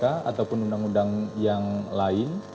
ataupun undang undang yang lain